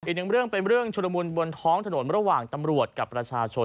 อีกนึงเป็นเรื่องชุดมูลบนท้องถนนระหว่างตำรวจกับรัชชน